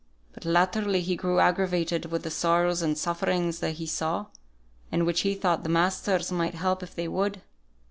But latterly he grew aggravated with the sorrows and suffering that he saw, and which he thought the masters might help if they would."